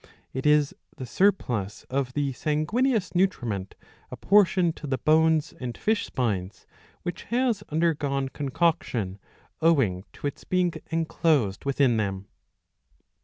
It is the surplus of the sanguineous nutriment apportioned to the bones and fish spines, which has undergone concoction owing to its being enclosed within them.